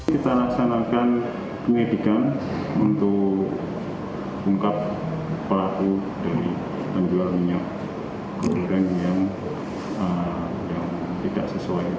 kita laksanakan penyidikan untuk ungkap pelaku dari penjual minyak goreng yang tidak sesuai